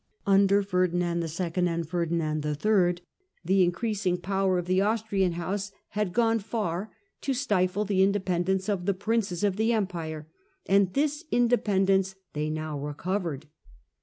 Under Ferdinand II. cnceofthe and Ferdinand HI. the increasing power of States. the Austrian house had gone far to stifle the independence of the Princes of the Empire, and this independence they now recovered.